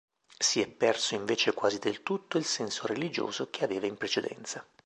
Si è perso invece quasi del tutto il senso religioso che aveva in precedenza.